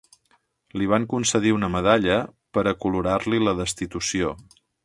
Li van concedir una medalla per acolorar-li la destitució.